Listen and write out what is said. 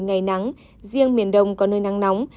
ngày nắng riêng miền đông có nơi nắng nóng